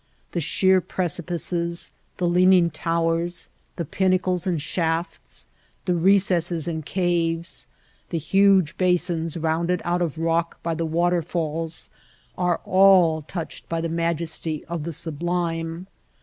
The sheer precipices, the leaning towers, the pinnacles and shafts, the recesses and caves, the huge basins rounded out of rock by the waterfalls are all touched by the majesty of the sublime.